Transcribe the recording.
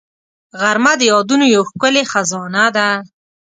غرمه د یادونو یو ښکلې خزانه ده